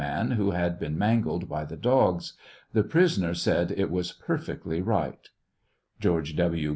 man who had been mangled by the dogs ; the priaone/ said it was perfectly right. George W.